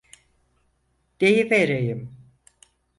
Deyivereyim.